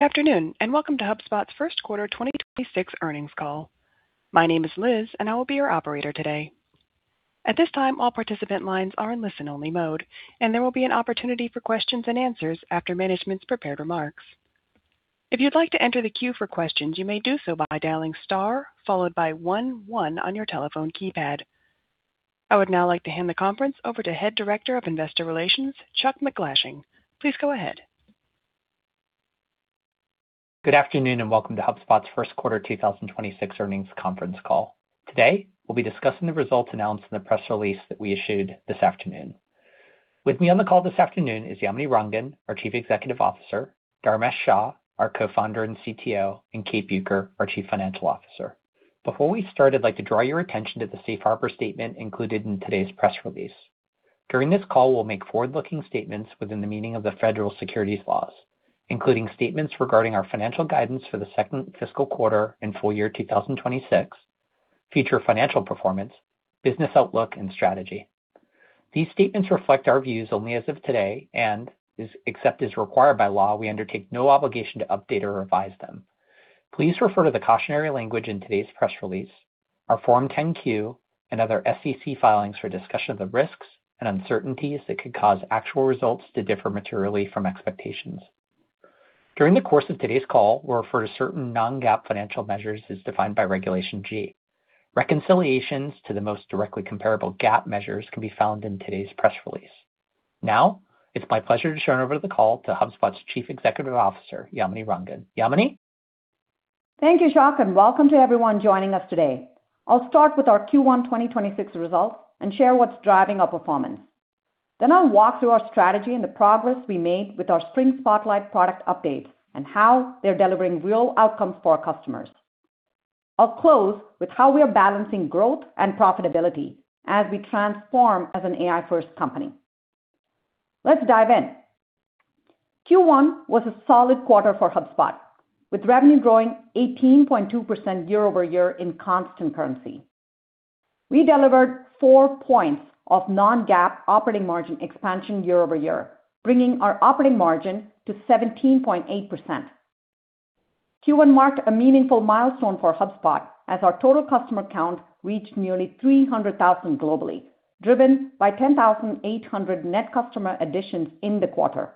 Good afternoon, welcome to HubSpot's first quarter 2026 earnings call. My name is Liz, I will be your operator today. At this time, all participant lines are in listen-only mode, there will be an opportunity for questions and answers after management's prepared remarks. If you'd like to enter the queue for questions, you may do so by dialing star one one on your telephone keypad. I would now like to hand the conference over to Head Director of Investor Relations, Chuck MacGlashing. Please go ahead. Good afternoon, welcome to HubSpot's first quarter 2026 earnings conference call. Today, we'll be discussing the results announced in the press release that we issued this afternoon. With me on the call this afternoon is Yamini Rangan, our Chief Executive Officer, Dharmesh Shah, our Co-founder and CTO, and Kate Bueker, our Chief Financial Officer. Before we start, I'd like to draw your attention to the Safe Harbor statement included in today's press release. During this call, we'll make forward-looking statements within the meaning of the Federal Securities Laws, including statements regarding our financial guidance for the second fiscal quarter and full year 2026, future financial performance, business outlook, and strategy. These statements reflect our views only as of today and, except as required by law, we undertake no obligation to update or revise them. Please refer to the cautionary language in today's press release, our Form 10-Q, and other SEC filings for a discussion of the risks and uncertainties that could cause actual results to differ materially from expectations. During the course of today's call, we'll refer to certain non-GAAP financial measures as defined by Regulation G. Reconciliations to the most directly comparable GAAP measures can be found in today's press release. It's my pleasure to turn over the call to HubSpot's Chief Executive Officer, Yamini Rangan. Yamini? Thank you, Chuck, and welcome to everyone joining us today. I'll start with our Q1 2026 results and share what's driving our performance. I'll walk through our strategy and the progress we made with our Spring Spotlight product updates and how they're delivering real outcomes for our customers. I'll close with how we are balancing growth and profitability as we transform as an AI-first company. Let's dive in. Q1 was a solid quarter for HubSpot, with revenue growing 18.2% year-over-year in constant currency. We delivered 4 points of non-GAAP operating margin expansion year-over-year, bringing our operating margin to 17.8%. Q1 marked a meaningful milestone for HubSpot as our total customer count reached nearly 300,000 globally, driven by 10,800 net customer additions in the quarter.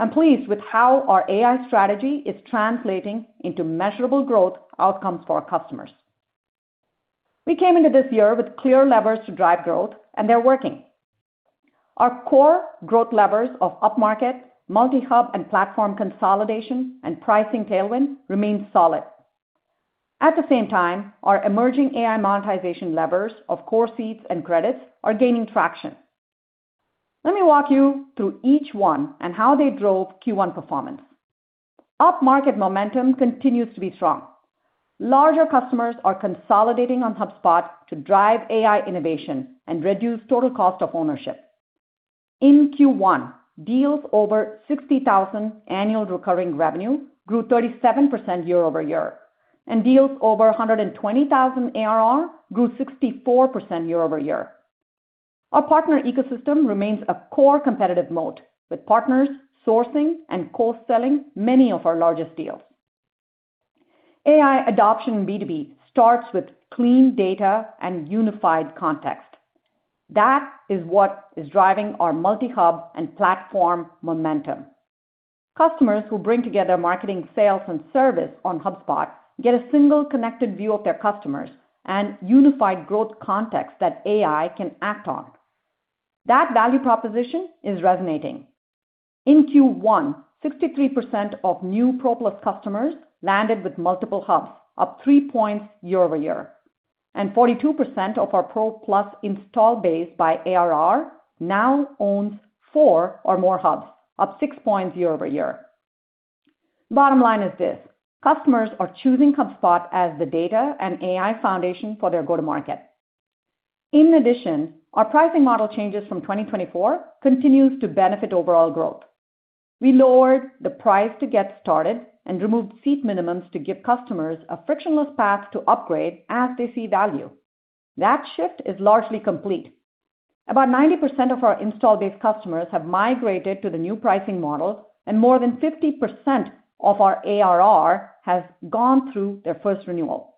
I'm pleased with how our AI strategy is translating into measurable growth outcomes for our customers. We came into this year with clear levers to drive growth, and they're working. Our core growth levers of upmarket, multi-hub, and platform consolidation and pricing tailwind remain solid. At the same time, our emerging AI monetization levers of core seats and credits are gaining traction. Let me walk you through each one and how they drove Q1 performance. Up-market momentum continues to be strong. Larger customers are consolidating on HubSpot to drive AI innovation and reduce total cost of ownership. In Q1, deals over $60,000 annual recurring revenue grew 37% year-over-year, and deals over $120,000 ARR grew 64% year-over-year. Our partner ecosystem remains a core competitive moat, with partners sourcing and cross-selling many of our largest deals. AI adoption in B2B starts with clean data and unified context. That is what is driving our multi-hub and platform momentum. Customers who bring together marketing, sales, and service on HubSpot get a single connected view of their customers and unified growth context that AI can act on. That value proposition is resonating. In Q1, 63% of new Pro Plus customers landed with multiple hubs, up 3 points year-over-year, and 42% of our Pro Plus install base by ARR now owns four or more hubs, up 6 points year-over-year. Bottom line is this: customers are choosing HubSpot as the data and AI foundation for their go-to-market. In addition, our pricing model changes from 2024 continues to benefit overall growth. We lowered the price to get started and removed seat minimums to give customers a frictionless path to upgrade as they see value. That shift is largely complete. About 90% of our installed base customers have migrated to the new pricing model, and more than 50% of our ARR has gone through their first renewal.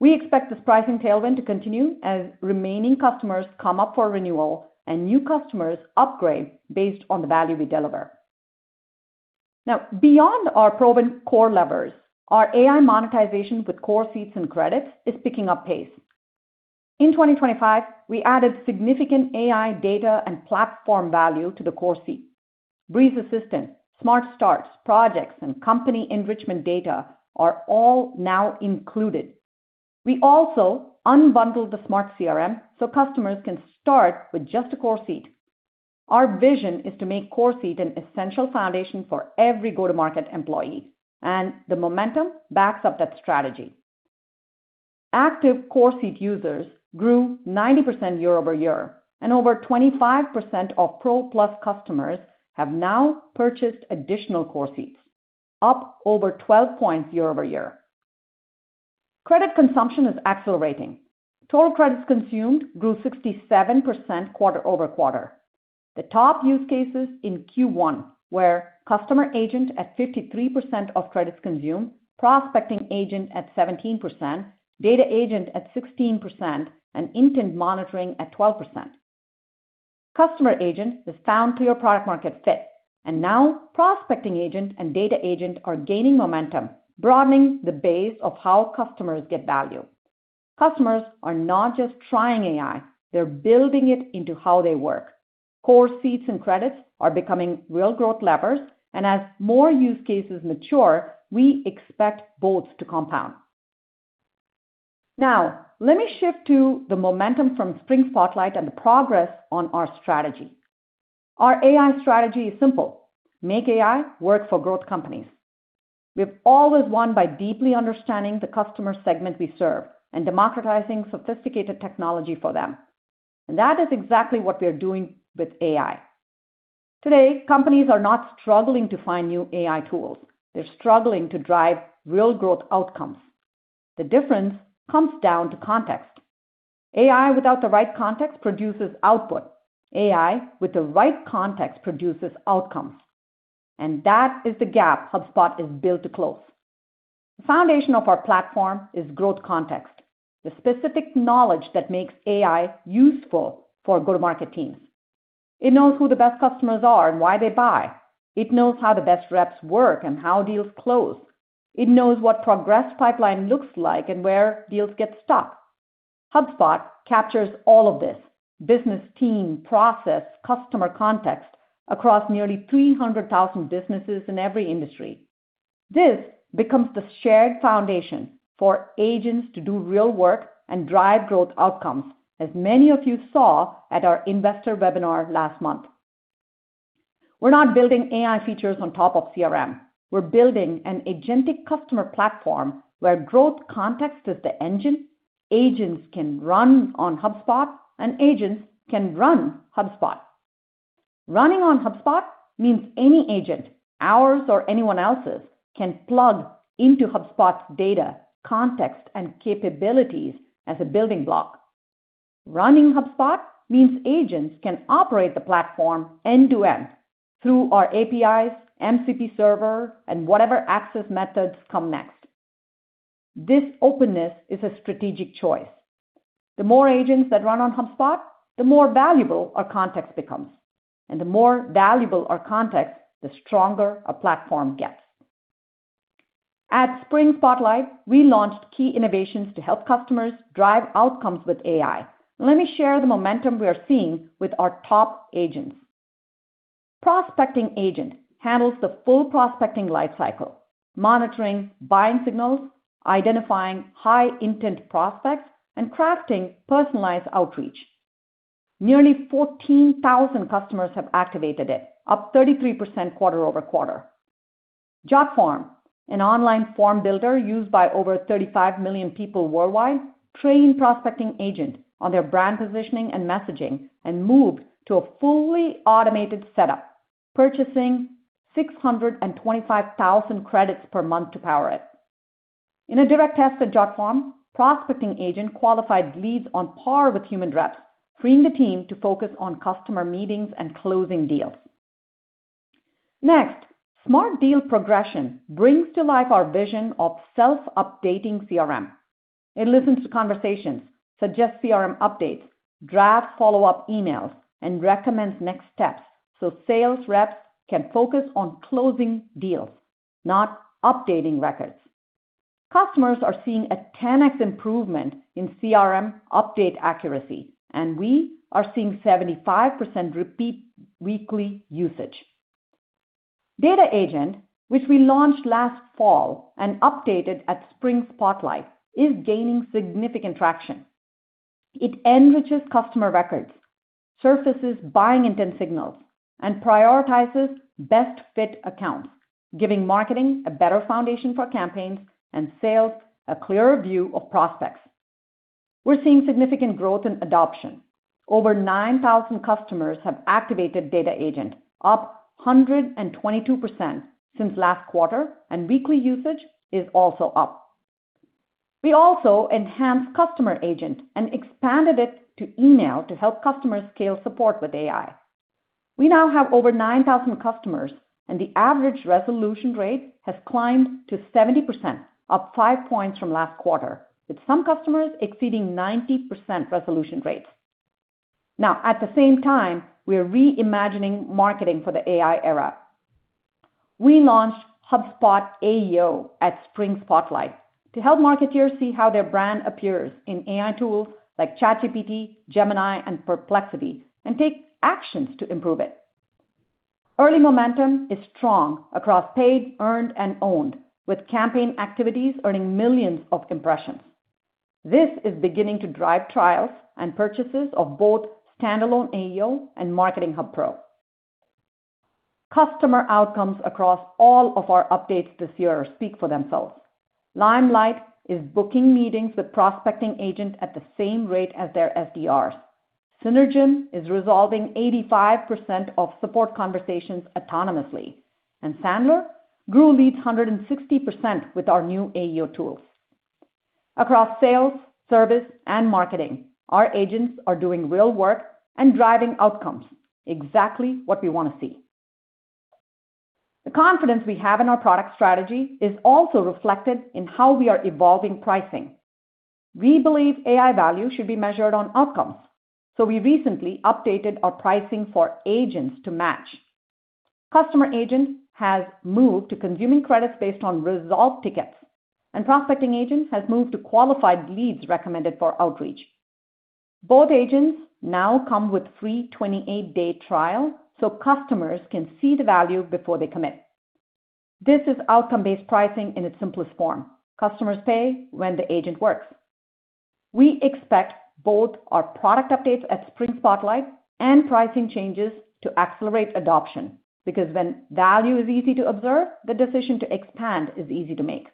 We expect this pricing tailwind to continue as remaining customers come up for renewal and new customers upgrade based on the value we deliver. Beyond our proven core levers, our AI monetization with core seats and credits is picking up pace. In 2025, we added significant AI data and platform value to the core seat. Breeze Assistant, smart starts, projects, and company enrichment data are all now included. We also unbundled the Smart CRM so customers can start with just a core seat. Our vision is to make core seat an essential foundation for every go-to-market employee, and the momentum backs up that strategy. Active core seat users grew 90% year-over-year, and over 25% of Pro Plus customers have now purchased additional core seats, up over 12 points year-over-year. Credit consumption is accelerating. Total credits consumed grew 67% quarter-over-quarter. The top use cases in Q1 were Customer Agent at 53% of credits consumed, Prospecting Agent at 17%, Data Agent at 16%, and intent monitoring at 12%. Customer Agent is found true product-market fit, and now Prospecting Agent and Data Agent are gaining momentum, broadening the base of how customers get value. Customers are not just trying AI, they're building it into how they work. Core seats and credits are becoming real growth levers. As more use cases mature, we expect both to compound. Now, let me shift to the momentum from Spring Spotlight and the progress on our strategy. Our AI strategy is simple: Make AI work for growth companies. We've always won by deeply understanding the customer segment we serve and democratizing sophisticated technology for them. That is exactly what we are doing with AI. Today, companies are not struggling to find new AI tools. They're struggling to drive real growth outcomes. The difference comes down to context. AI without the right context produces output. AI with the right context produces outcomes, and that is the gap HubSpot is built to close. The foundation of our platform is growth context, the specific knowledge that makes AI useful for go-to-market teams. It knows who the best customers are and why they buy. It knows how the best reps work and how deals close. It knows what progress pipeline looks like and where deals get stuck. HubSpot captures all of this business team process customer context across nearly 300,000 businesses in every industry. This becomes the shared foundation for agents to do real work and drive growth outcomes, as many of you saw at our investor webinar last month. We're not building AI features on top of CRM. We're building an agentic customer platform where growth context is the engine. Agents can run on HubSpot, and agents can run HubSpot. Running on HubSpot means any agent, ours or anyone else's, can plug into HubSpot's data, context, and capabilities as a building block. Running HubSpot means agents can operate the platform end-to-end through our APIs, MCP server, and whatever access methods come next. This openness is a strategic choice. The more agents that run on HubSpot, the more valuable our context becomes. The more valuable our context, the stronger our platform gets. At Spring Spotlight, we launched key innovations to help customers drive outcomes with AI. Let me share the momentum we are seeing with our top agents. Prospecting Agent handles the full prospecting life cycle, monitoring buying signals, identifying high-intent prospects, and crafting personalized outreach. Nearly 14,000 customers have activated it, up 33% quarter-over-quarter. Jotform, an online form builder used by over 35 million people worldwide, trained Prospecting Agent on their brand positioning and messaging and moved to a fully automated setup, purchasing 625,000 credits per month to power it. In a direct test at Jotform, Prospecting Agent qualified leads on par with human reps, freeing the team to focus on customer meetings and closing deals. Next, Smart Deal Progression brings to life our vision of self-updating CRM. It listens to conversations, suggests CRM updates, drafts follow-up emails, and recommends next steps so sales reps can focus on closing deals, not updating records. Customers are seeing a 10x improvement in CRM update accuracy, and we are seeing 75% repeat weekly usage. Data Agent, which we launched last fall and updated at Spring Spotlight, is gaining significant traction. It enriches customer records, surfaces buying intent signals, and prioritizes best fit accounts, giving marketing a better foundation for campaigns and sales a clearer view of prospects. We're seeing significant growth in adoption. Over 9,000 customers have activated Data Agent, up 122% since last quarter, and weekly usage is also up. We also enhanced Customer Agent and expanded it to email to help customers scale support with AI. We now have over 9,000 customers, and the average resolution rate has climbed to 70%, up 5 points from last quarter, with some customers exceeding 90% resolution rates. Now, at the same time, we're reimagining marketing for the AI era. We launched HubSpot AEO at Spring Spotlight to help marketeers see how their brand appears in AI tools like ChatGPT, Gemini, and Perplexity, and take actions to improve it. Early momentum is strong across paid, earned, and owned, with campaign activities earning millions of impressions. This is beginning to drive trials and purchases of both standalone AEO and Marketing Hub Pro. Customer outcomes across all of our updates this year speak for themselves. Limelight is booking meetings with Prospecting Agent at the same rate as their SDRs. Synergent is resolving 85% of support conversations autonomously, and Sandler grew leads 160% with our new AEO tools. Across sales, service, and marketing, our agents are doing real work and driving outcomes, exactly what we wanna see. The confidence we have in our product strategy is also reflected in how we are evolving pricing. We believe AI value should be measured on outcomes, so we recently updated our pricing for agents to match. Customer Agent has moved to consuming credits based on resolved tickets, and Prospecting Agent has moved to qualified leads recommended for outreach. Both agents now come with free 28-day trial so customers can see the value before they commit. This is outcome-based pricing in its simplest form. Customers pay when the agent works. We expect both our product updates at Spring Spotlight and pricing changes to accelerate adoption because when value is easy to observe, the decision to expand is easy to make.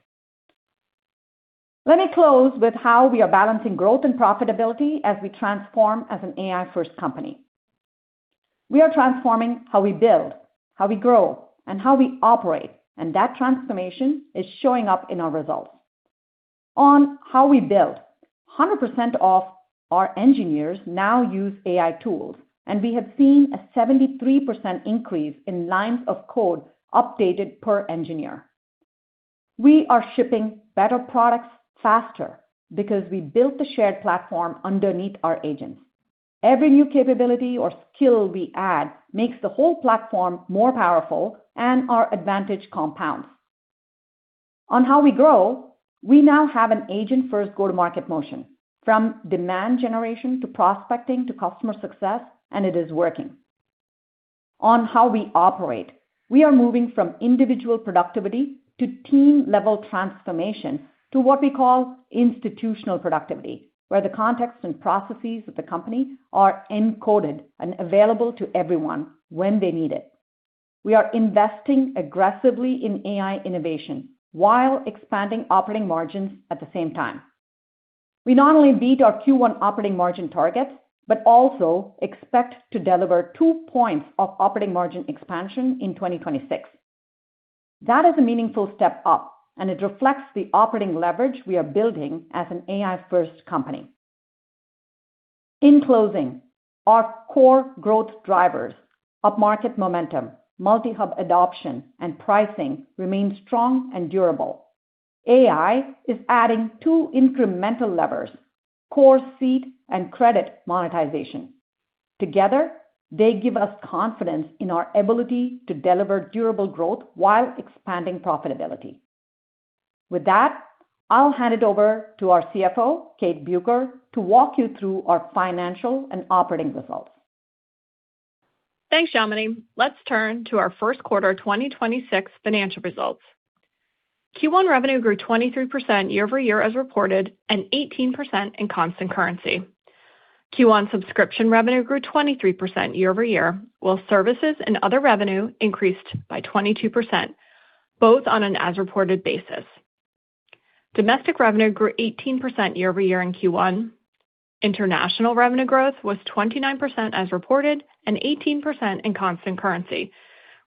Let me close with how we are balancing growth and profitability as we transform as an AI-first company. We are transforming how we build, how we grow, and how we operate. That transformation is showing up in our results. On how we build, 100% of our engineers now use AI tools. We have seen a 73% increase in lines of code updated per engineer. We are shipping better products faster because we built the shared platform underneath our agents. Every new capability or skill we add makes the whole platform more powerful and our advantage compounds. On how we grow, we now have an agent-first go-to-market motion from demand generation to prospecting to customer success, and it is working. On how we operate, we are moving from individual productivity to team-level transformation to what we call institutional productivity, where the context and processes of the company are encoded and available to everyone when they need it. We are investing aggressively in AI innovation while expanding operating margins at the same time. We not only beat our Q1 operating margin targets, but also expect to deliver 2 points of operating margin expansion in 2026. That is a meaningful step up, and it reflects the operating leverage we are building as an AI-first company. In closing, our core growth drivers, upmarket momentum, multi-hub adoption, and pricing remain strong and durable. AI is adding two incremental levers, core seat and credit monetization. Together, they give us confidence in our ability to deliver durable growth while expanding profitability. With that, I'll hand it over to our CFO, Kate Bueker, to walk you through our financial and operating results. Thanks, Yamini. Let's turn to our 1st quarter 2026 financial results. Q1 revenue grew 23% year-over-year as reported and 18% in constant currency. Q1 subscription revenue grew 23% year-over-year, while services and other revenue increased by 22%, both on an as reported basis. Domestic revenue grew 18% year-over-year in Q1. International revenue growth was 29% as reported and 18% in constant currency,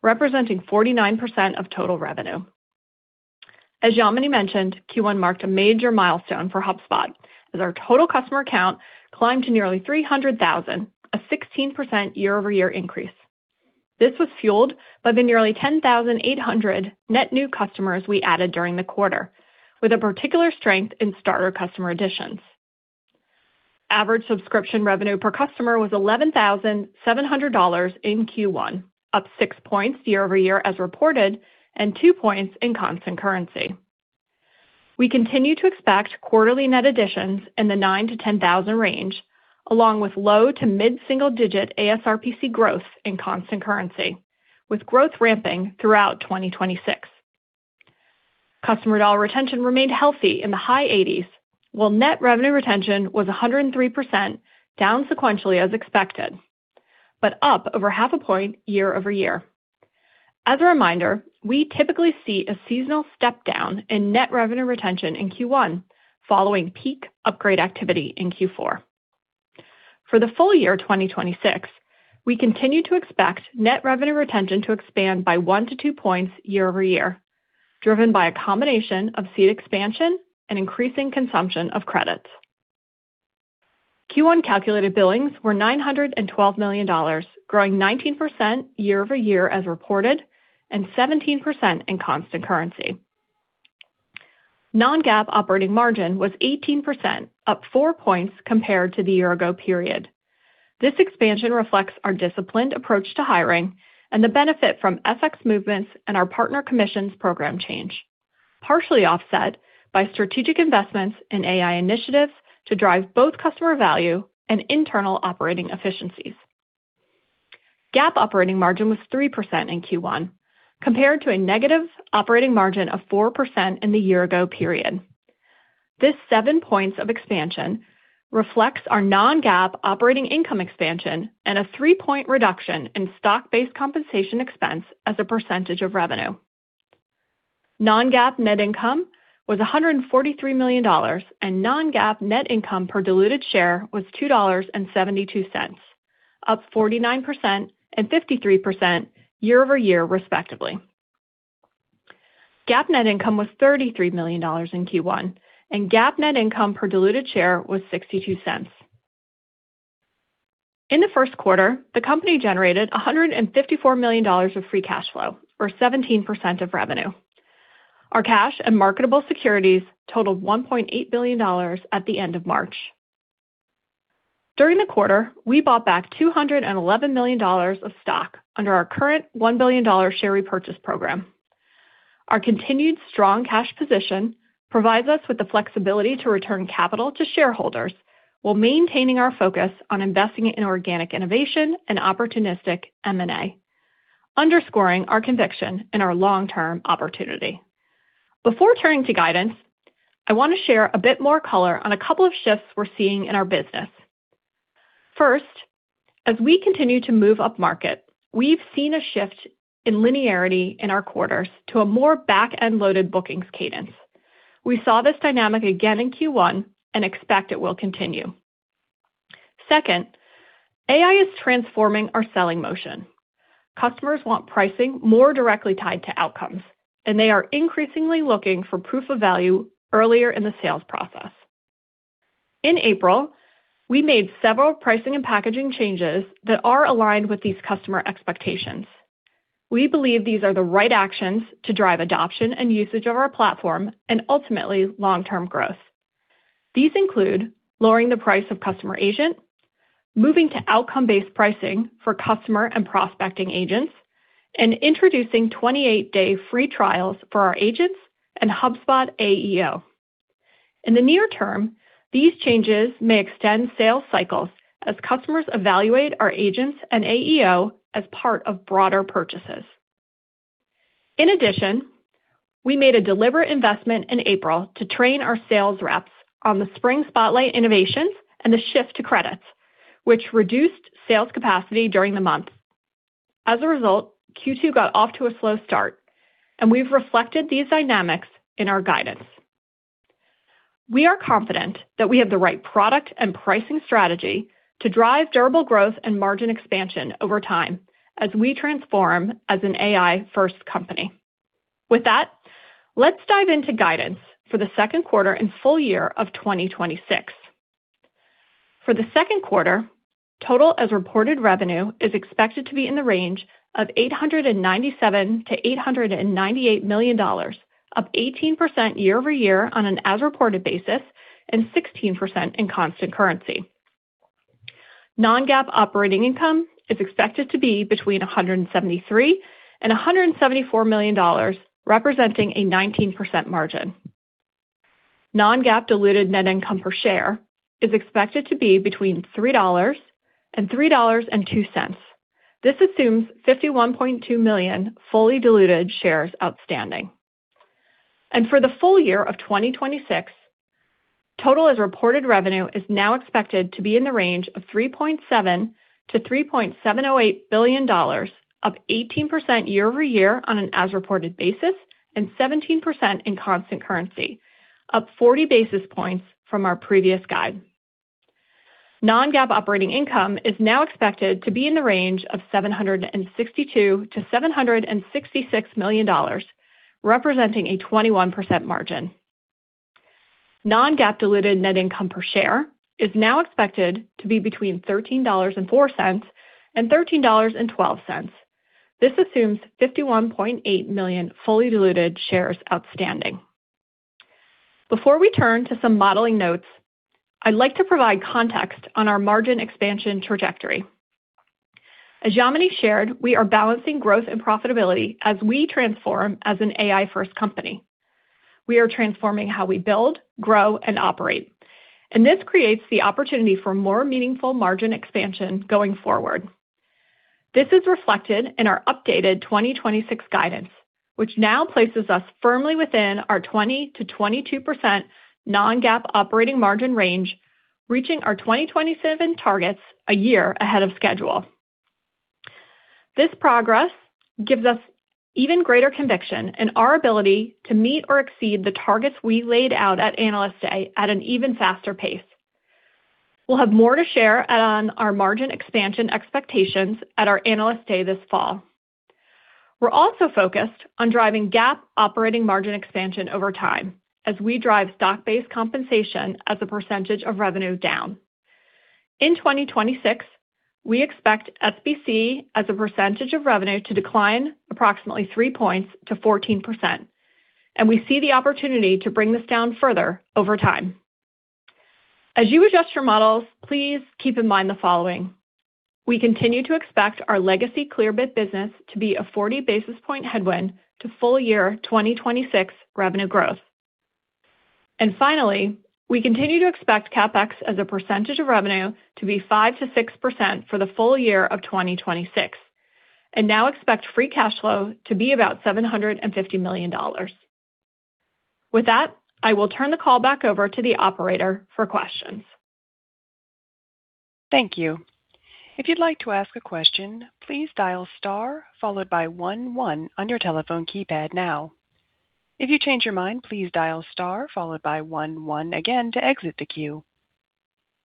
representing 49% of total revenue. As Yamini mentioned, Q1 marked a major milestone for HubSpot as our total customer count climbed to nearly 300,000, a 16% year-over-year increase. This was fueled by the nearly 10,800 net new customers we added during the quarter, with a particular strength in starter customer additions. Average subscription revenue per customer was $11,700 in Q1, up 6 points year-over-year as reported and 2 points in constant currency. We continue to expect quarterly net additions in the 9,000-10,000 range, along with low to mid-single-digit ASRPC growth in constant currency, with growth ramping throughout 2026. Customer dollar retention remained healthy in the high 80s, while net revenue retention was 103% down sequentially as expected, but up over 0.5 points year-over-year. As a reminder, we typically see a seasonal step down in net revenue retention in Q1 following peak upgrade activity in Q4. For the full year 2026, we continue to expect net revenue retention to expand by 1-2 points year-over-year, driven by a combination of seat expansion and increasing consumption of credits. Q1 calculated billings were $912 million, growing 19% year-over-year as reported and 17% in constant currency. Non-GAAP operating margin was 18%, up 4 points compared to the year-ago period. This expansion reflects our disciplined approach to hiring and the benefit from FX movements and our partner commissions program change, partially offset by strategic investments in AI initiatives to drive both customer value and internal operating efficiencies. GAAP operating margin was 3% in Q1, compared to a negative operating margin of 4% in the year-ago period. This 7 points of expansion reflects our non-GAAP operating income expansion and a 3-point reduction in stock-based compensation expense as a percentage of revenue. Non-GAAP net income was $143 million and non-GAAP net income per diluted share was $2.72, up 49% and 53% year-over-year respectively. GAAP net income was $33 million in Q1, and GAAP net income per diluted share was $0.62. In the first quarter, the company generated $154 million of free cash flow, or 17% of revenue. Our cash and marketable securities totaled $1.8 billion at the end of March. During the quarter, we bought back $211 million of stock under our current $1 billion share repurchase program. Our continued strong cash position provides us with the flexibility to return capital to shareholders while maintaining our focus on investing in organic innovation and opportunistic M&A, underscoring our conviction in our long-term opportunity. Before turning to guidance, I want to share a bit more color on a couple of shifts we're seeing in our business. First, as we continue to move upmarket, we've seen a shift in linearity in our quarters to a more back-end loaded bookings cadence. We saw this dynamic again in Q1 and expect it will continue. Second, AI is transforming our selling motion. Customers want pricing more directly tied to outcomes, and they are increasingly looking for proof of value earlier in the sales process. In April, we made several pricing and packaging changes that are aligned with these customer expectations. We believe these are the right actions to drive adoption and usage of our platform and ultimately long-term growth. These include lowering the price of Customer Agent, moving to outcome-based pricing for Customer and Prospecting Agents, and introducing 28-day free trials for our agents and HubSpot AEO. In the near term, these changes may extend sales cycles as customers evaluate our agents and AEO as part of broader purchases. In addition, we made a deliberate investment in April to train our sales reps on the Spring Spotlight innovations and the shift to credits, which reduced sales capacity during the month. As a result, Q2 got off to a slow start, and we've reflected these dynamics in our guidance. We are confident that we have the right product and pricing strategy to drive durable growth and margin expansion over time as we transform as an AI-first company. With that, let's dive into guidance for the second quarter and full year of 2026. For the second quarter, total as-reported revenue is expected to be in the range of $897 million-$898 million, up 18% year-over-year on an as-reported basis and 16% in constant currency. non-GAAP operating income is expected to be between $173 million and $174 million, representing a 19% margin. non-GAAP diluted net income per share is expected to be between $3.00 and $3.02. This assumes 51.2 million fully diluted shares outstanding. For the full year of 2026, total as-reported revenue is now expected to be in the range of $3.7 billion-$3.708 billion, up 18% year-over-year on an as-reported basis and 17% in constant currency, up 40 basis points from our previous guide. Non-GAAP operating income is now expected to be in the range of $762 million-$766 million, representing a 21% margin. Non-GAAP diluted net income per share is now expected to be between $13.04 and $13.12. This assumes 51.8 million fully diluted shares outstanding. Before we turn to some modeling notes, I'd like to provide context on our margin expansion trajectory. As Yamini shared, we are balancing growth and profitability as we transform as an AI-first company. We are transforming how we build, grow, and operate. This creates the opportunity for more meaningful margin expansion going forward. This is reflected in our updated 2026 guidance, which now places us firmly within our 20%-22% non-GAAP operating margin range, reaching our 2027 targets a year ahead of schedule. This progress gives us even greater conviction in our ability to meet or exceed the targets we laid out at Analyst Day at an even faster pace. We'll have more to share on our margin expansion expectations at our Analyst Day this fall. We're also focused on driving GAAP operating margin expansion over time as we drive stock-based compensation as a percentage of revenue down. In 2026, we expect SBC as a percentage of revenue to decline approximately 3 points to 14%, we see the opportunity to bring this down further over time. As you adjust your models, please keep in mind the following: We continue to expect our legacy Clearbit business to be a 40 basis point headwind to full year 2026 revenue growth. Finally, we continue to expect CapEx as a percentage of revenue to be 5%-6% for the full year of 2026, and now expect free cash flow to be about $750 million. With that, I will turn the call back over to the operator for questions. Thank you. If you would like to ask a question, please dial star followed by one one on your telephone keypad now. If you change your mind, please dial star followed by one one again to exit the queue.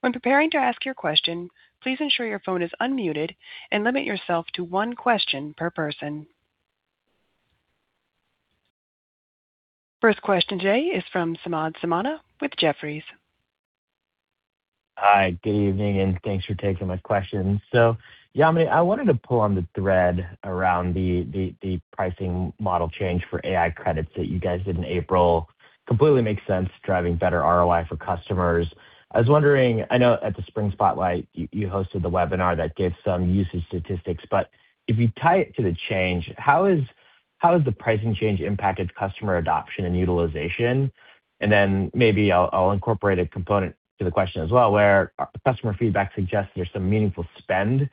When preparing to ask your question, please ensure your phone is unmuted and limit yourself to one question per person. First question today is from Samad Samana with Jefferies. Hi, good evening, and thanks for taking my question. Yamini, I wanted to pull on the thread around the pricing model change for AI credits that you guys did in April. Completely makes sense, driving better ROI for customers. I was wondering, I know at the Spring Spotlight, you hosted the webinar that gave some usage statistics. If you tie it to the change, how has the pricing change impacted customer adoption and utilization? Maybe I'll incorporate a component to the question as well, where customer feedback suggests there's some meaningful spend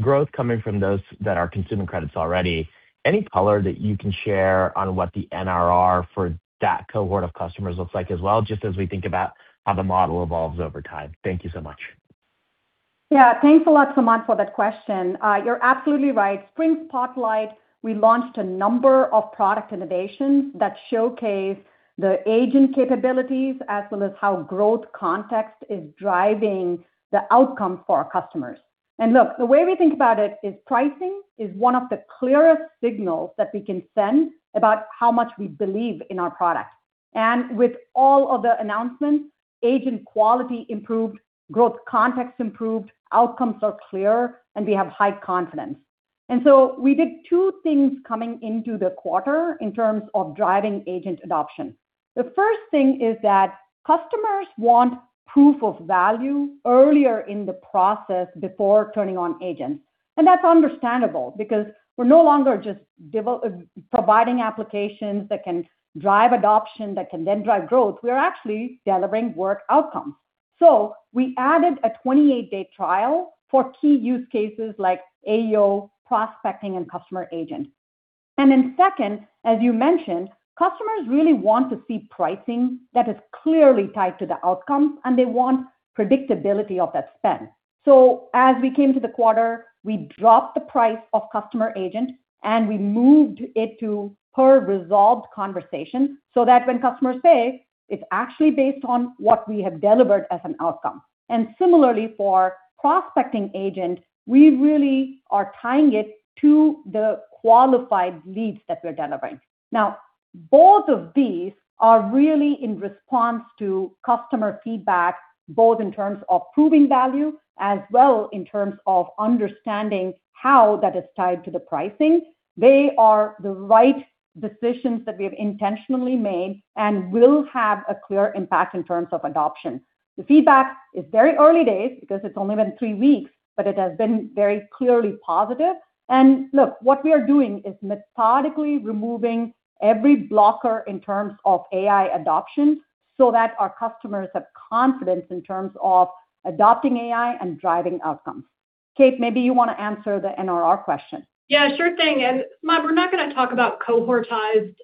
growth coming from those that are consuming credits already. Any color that you can share on what the NRR for that cohort of customers looks like as well, just as we think about how the model evolves over time? Thank you so much. Yeah. Thanks a lot, Samad, for that question. You're absolutely right. Spring Spotlight, we launched a number of product innovations that showcase the agent capabilities as well as how growth context is driving the outcome for our customers. Look, the way we think about it is pricing is one of the clearest signals that we can send about how much we believe in our product. With all of the announcements, agent quality improved, growth context improved, outcomes are clear, and we have high confidence. We did two things coming into the quarter in terms of driving agent adoption. The first thing is that customers want proof of value earlier in the process before turning on agents. That's understandable because we're no longer just providing applications that can drive adoption that can then drive growth, we are actually delivering work outcomes. We added a 28-day trial for key use cases like AEO, Prospecting Agent, and Customer Agent. Second, as you mentioned, customers really want to see pricing that is clearly tied to the outcomes, and they want predictability of that spend. As we came to the quarter, we dropped the price of Customer Agent, and we moved it to per resolved conversation so that when customers pay, it's actually based on what we have delivered as an outcome. Similarly for Prospecting Agent, we really are tying it to the qualified leads that we're delivering. Now, both of these are really in response to customer feedback, both in terms of proving value as well in terms of understanding how that is tied to the pricing. They are the right decisions that we have intentionally made and will have a clear impact in terms of adoption. The feedback is very early days because it's only been three weeks, but it has been very clearly positive. Look, what we are doing is methodically removing every blocker in terms of AI adoption so that our customers have confidence in terms of adopting AI and driving outcomes. Kate, maybe you wanna answer the NRR question. Yeah, sure thing. Samad, we're not gonna talk about cohortized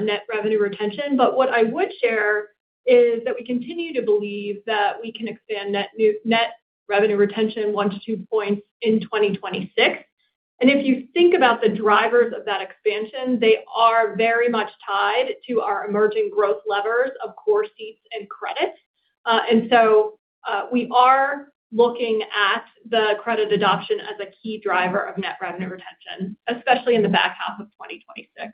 net revenue retention, what I would share is that we continue to believe that we can expand net revenue retention 1 to 2 points in 2026. If you think about the drivers of that expansion, they are very much tied to our emerging growth levers of core seats and credits. We are looking at the credit adoption as a key driver of net revenue retention, especially in the back half of 2026.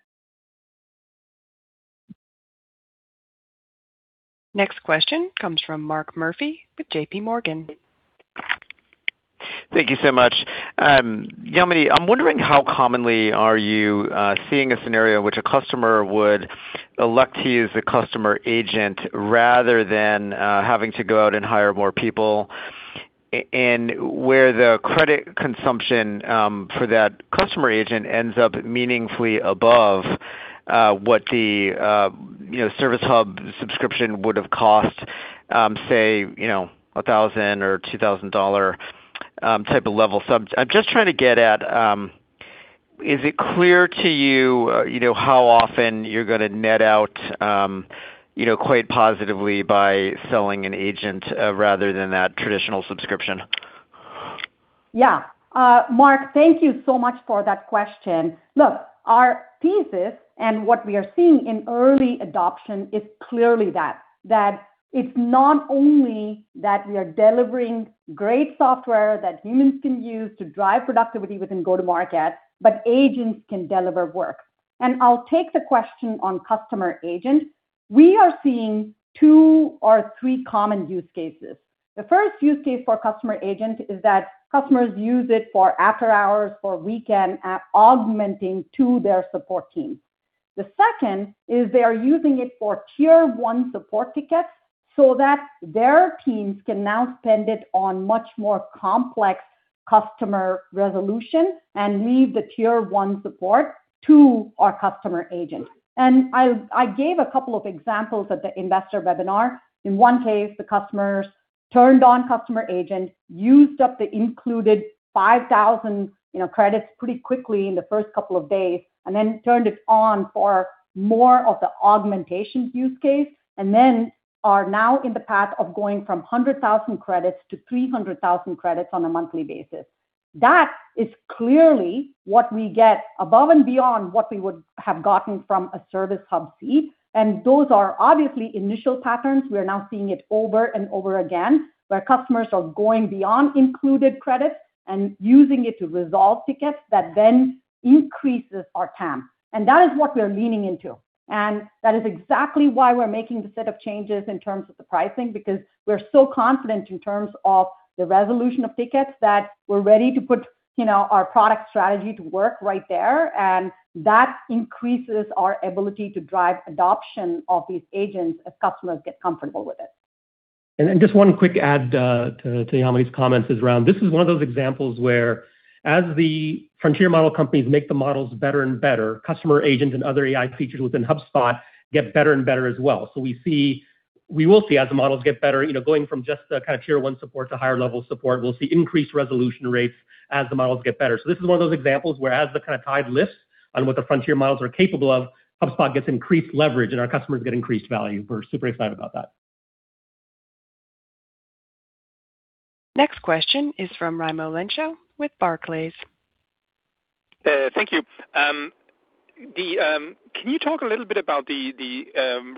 Next question comes from Mark Murphy with JPMorgan. Thank you so much. Yamini, I'm wondering how commonly are you seeing a scenario in which a customer would elect to use the Customer Agent rather than having to go out and hire more people and where the credit consumption for that Customer Agent ends up meaningfully above what the, you know, Service Hub subscription would have cost, say, you know, $1,000 or $2,000 type of level. I'm just trying to get at, is it clear to you know, how often you're gonna net out, you know, quite positively by selling an Agent rather than that traditional subscription? Mark, thank you so much for that question. Look, our thesis and what we are seeing in early adoption is clearly that it's not only that we are delivering great software that humans can use to drive productivity within go-to-market, but agents can deliver work. I'll take the question on Customer Agent. We are seeing two or three common use cases. The first use case for Customer Agent is that customers use it for after-hours or weekend at augmenting to their support teams. The second is they are using it for tier one support tickets so that their teams can now spend it on much more complex customer resolution and leave the tier one support to our Customer Agent. I gave a couple of examples at the investor webinar. In one case, the customers turned on Customer Agent, used up the included 5,000, you know, credits pretty quickly in the first couple of days, and then turned it on for more of the augmentation use case. Are now in the path of going from 100,000 credits to 300,000 credits on a monthly basis. That is clearly what we get above and beyond what we would have gotten from a Service Hub seat, and those are obviously initial patterns. We are now seeing it over and over again, where customers are going beyond included credits and using it to resolve tickets that then increases our TAM. That is what we're leaning into. That is exactly why we're making the set of changes in terms of the pricing, because we're so confident in terms of the resolution of tickets that we're ready to put, you know, our product strategy to work right there. That increases our ability to drive adoption of these agents as customers get comfortable with it. Just one quick add to Yamini's comments is around this is one of those examples where as the frontier model companies make the models better and better, Customer Agent and other AI features within HubSpot get better and better as well. We will see as the models get better, you know, going from just the kind of tier one support to higher level support, we'll see increased resolution rates as the models get better. This is one of those examples where as the kind of tide lifts on what the frontier models are capable of, HubSpot gets increased leverage and our customers get increased value. We're super excited about that. Next question is from Raimo Lenschow with Barclays. Thank you. Can you talk a little bit about the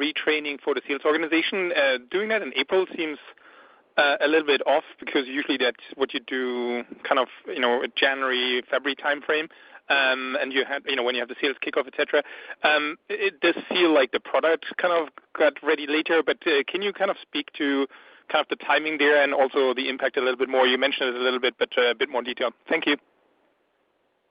retraining for the sales organization? Doing that in April seems a little bit off because usually that's what you do kind of, you know, a January, February timeframe, and you have, you know, when you have the sales kickoff, et cetera. It does feel like the product kind of got ready later, but can you kind of speak to kind of the timing there and also the impact a little bit more? You mentioned it a little bit, but a bit more detail. Thank you.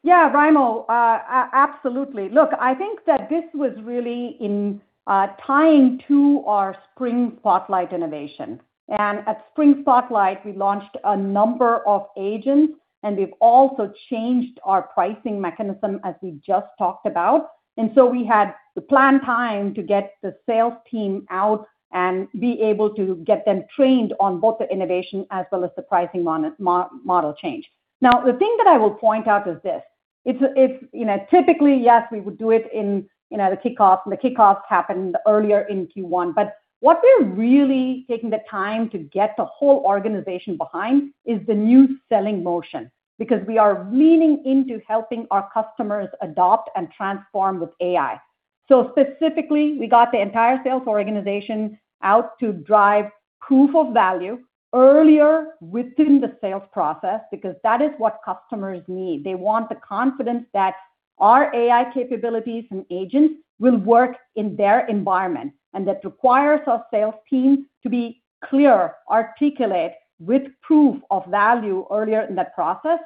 Yeah, Raimo, absolutely. Look, I think that this was really in tying to our Spring Spotlight innovation. At Spring Spotlight, we launched a number of agents, and we've also changed our pricing mechanism, as we just talked about. We had the plan time to get the sales team out and be able to get them trained on both the innovation as well as the pricing model change. The thing that I will point out is this. It's, you know, typically, yes, we would do it in, you know, the kickoff, and the kickoff happened earlier in Q1. What we're really taking the time to get the whole organization behind is the new selling motion, because we are leaning into helping our customers adopt and transform with AI. Specifically, we got the entire sales organization out to drive proof of value earlier within the sales process, because that is what customers need. They want the confidence that our AI capabilities and agents will work in their environment, and that requires our sales team to be clear, articulate with proof of value earlier in the process.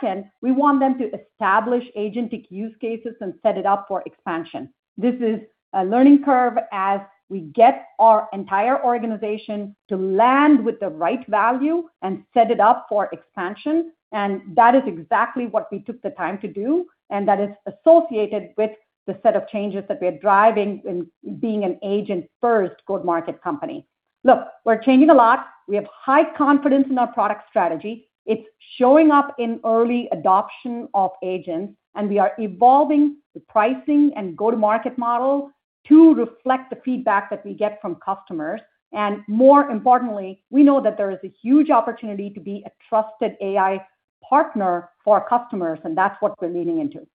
Second, we want them to establish agentic use cases and set it up for expansion. This is a learning curve as we get our entire organization to land with the right value and set it up for expansion, and that is exactly what we took the time to do, and that is associated with the set of changes that we're driving in being an agent-first go-to-market company. Look, we're changing a lot. We have high confidence in our product strategy. It's showing up in early adoption of agents, we are evolving the pricing and go-to-market model to reflect the feedback that we get from customers. More importantly, we know that there is a huge opportunity to be a trusted AI partner for our customers, and that's what we're leaning into.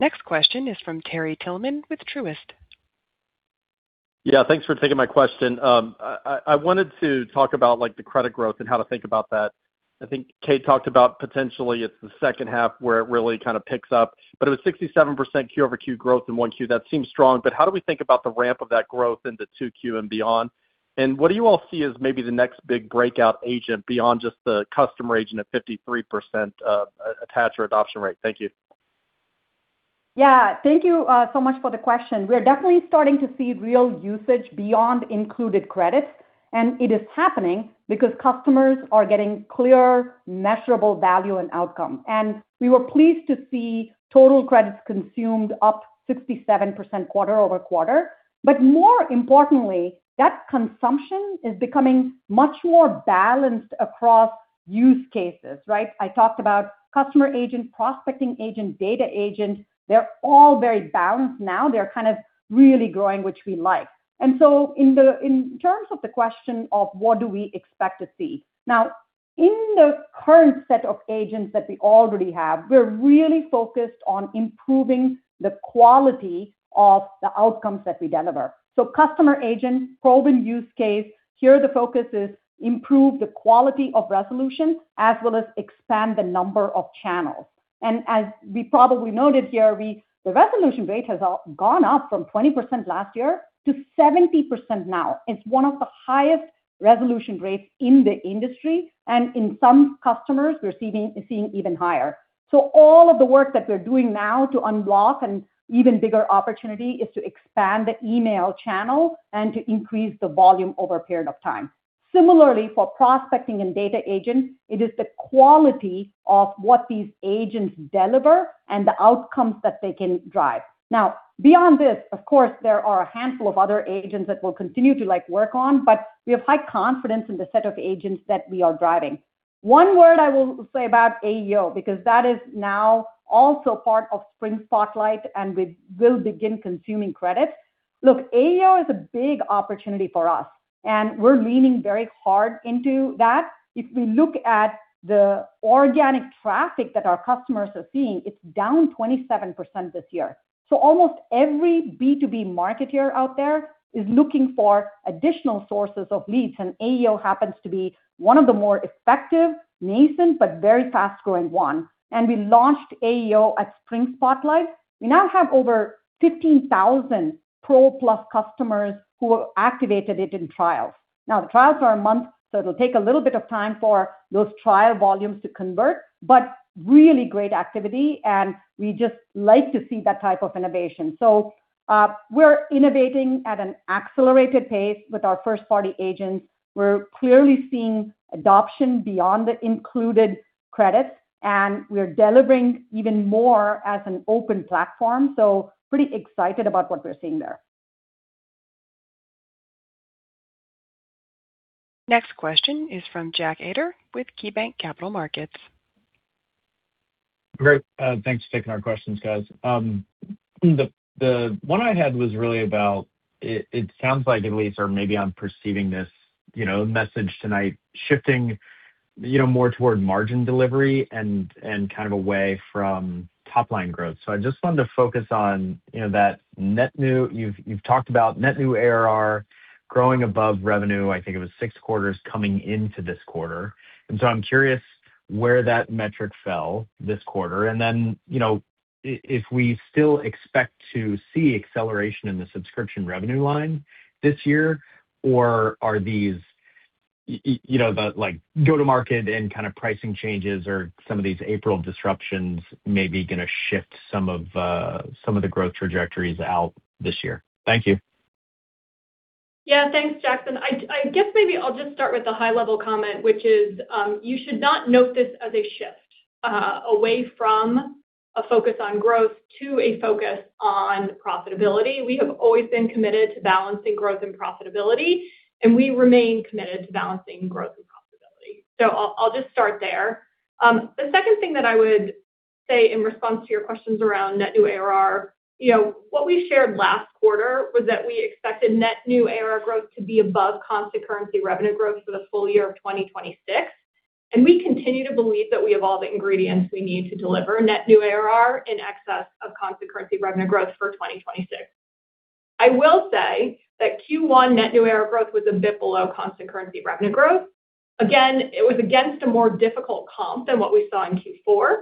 Next question is from Terry Tillman with Truist. Yeah. Thanks for taking my question. I wanted to talk about, like, the credit growth and how to think about that. I think Kate talked about potentially it's the second half where it really kind of picks up. It was 67% QoQ growth in 1Q. That seems strong, but how do we think about the ramp of that growth into 2Q and beyond? What do you all see as maybe the next big breakout agent beyond just the Customer Agent at 53% attach or adoption rate? Thank you. Thank you so much for the question. We are definitely starting to see real usage beyond included credits, and it is happening because customers are getting clear, measurable value and outcome. We were pleased to see total credits consumed up 67% quarter-over-quarter. More importantly, that consumption is becoming much more balanced across use cases, right? I talked about Customer Agent, Prospecting Agent, Data Agent. They're all very balanced now. They're kind of really growing, which we like. In terms of the question of what do we expect to see. Now, in the current set of agents that we already have, we're really focused on improving the quality of the outcomes that we deliver. Customer Agent, proven use case, here the focus is improve the quality of resolution as well as expand the number of channels. As we probably noted here, the resolution rate has gone up from 20% last year to 70% now. It's one of the highest resolution rates in the industry, and in some customers, we're seeing even higher. All of the work that we're doing now to unblock an even bigger opportunity is to expand the email channel and to increase the volume over a period of time. Similarly, for Prospecting and Data Agents, it is the quality of what these agents deliver and the outcomes that they can drive. Beyond this, of course, there are a handful of other agents that we'll continue to, like, work on, but we have high confidence in the set of agents that we are driving. One word I will say about AEO, because that is now also part of Spring Spotlight and we will begin consuming credits. Look, AEO is a big opportunity for us, and we're leaning very hard into that. If we look at the organic traffic that our customers are seeing, it's down 27% this year. Almost every B2B marketer out there is looking for additional sources of leads, and AEO happens to be one of the more effective, nascent, but very fast-growing one. We launched AEO at Spring Spotlight. We now have over 15,000 Pro Plus customers who activated it in trials. The trials are a month, it'll take a little bit of time for those trial volumes to convert, but really great activity, and we just like to see that type of innovation. We're innovating at an accelerated pace with our first-party agents. We're clearly seeing adoption beyond the included credits, and we're delivering even more as an open platform, so pretty excited about what we're seeing there. Next question is from Jack Ader with KeyBanc Capital Markets. Great. Thanks for taking our questions, guys. The one I had was really about it. It sounds like at least or maybe I'm perceiving this, you know, message tonight shifting, you know, more toward margin delivery and kind of away from top line growth. I just wanted to focus on, you know, that net new. You've talked about net new ARR growing above revenue, I think it was six quarters coming into this quarter. I'm curious where that metric fell this quarter. Then, you know, if we still expect to see acceleration in the subscription revenue line this year, or are these, you know, the, like, go to market and kinda pricing changes or some of these April disruptions maybe gonna shift some of the growth trajectories out this year? Thank you. Yeah. Thanks, Jackson. I guess maybe I'll just start with the high level comment, which is, you should not note this as a shift away from a focus on growth to a focus on profitability. We have always been committed to balancing growth and profitability, and we remain committed to balancing growth and profitability. I'll just start there. The second thing that I would say in response to your questions around net new ARR, you know, what we shared last quarter was that we expected net new ARR growth to be above constant currency revenue growth for the full year of 2026. We continue to believe that we have all the ingredients we need to deliver net new ARR in excess of constant currency revenue growth for 2026. I will say that Q1 net new ARR growth was a bit below constant currency revenue growth. Again, it was against a more difficult comp than what we saw in Q4.